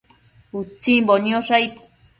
Utsimbo niosh aid